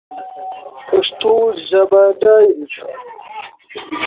جایزهی او عبارت بود از کمک هزینه بعلاوهی خوابگاه و خوراک مجانی.